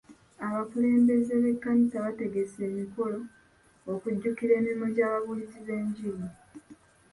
Abakulembeze b'ekkanisa bategese emikolo okujjukira emirimu gy'ababuulizi b'enjiri.